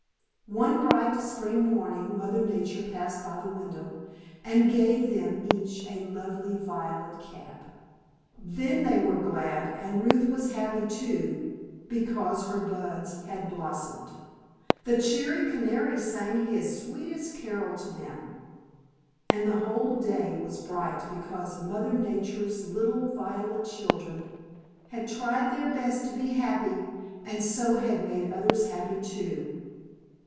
One bright spring morning Mother Nature passed by the window and gave them each a lovely violet cap. Then they were, glad, and Ruth was happy, too, because her buds had blossomed. The cheery canary sang his sweetest carol to them, and the whole day was bright because Mother Nature's little violet children had tried their best to be happy and so had made others happy, too.